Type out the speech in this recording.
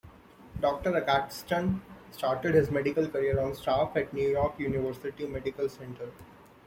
Doctor Agatston started his medical career on staff at New York University Medical Center.